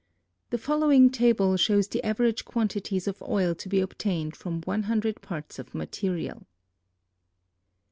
The following table shows the average quantities of oil to be obtained from 100 parts of material.